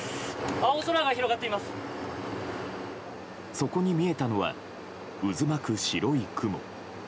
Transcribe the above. そこに見えたのは渦巻く白い雲。